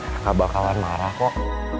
nggak bakalan marah kok